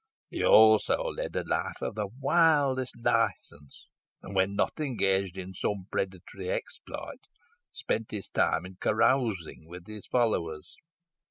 He also led a life of wildest licence, and, when not engaged in some predatory exploit, spent his time in carousing with his followers.